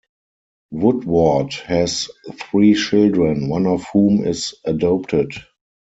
Woodward has three children, one of whom is adopted.